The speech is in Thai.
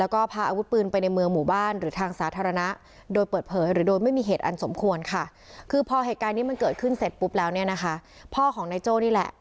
คือพอเหตุการณ์นี้มันเกิดขึ้นเสร็จปุ๊บแล้วเนี่ยนะคะพ่อของนายโจ้นี่แหละ